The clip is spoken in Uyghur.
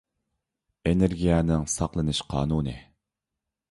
ئېنېرگىيەنىڭ ساقلىنىش قانۇنى